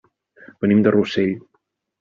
Venim de Rossell.